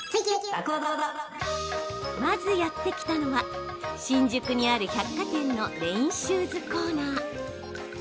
まずやって来たのは、新宿にある百貨店のレインシューズコーナー。